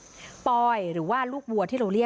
คุยกับตำรวจเนี่ยคุยกับตำรวจเนี่ย